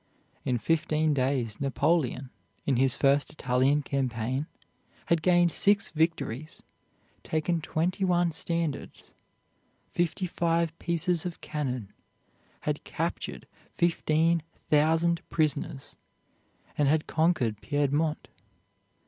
In fifteen days Napoleon, in his first Italian campaign, had gained six victories, taken twenty one standards, fifty five pieces of cannon, had captured fifteen thousand prisoners, and had conquered Piedmont.